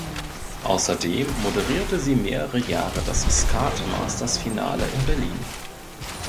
Außerdem moderierte sie mehrere Jahre das Skat Masters Finale in Berlin.